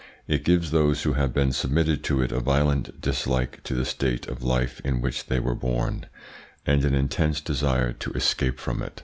It gives those who have been submitted to it a violent dislike to the state of life in which they were born, and an intense desire to escape from it.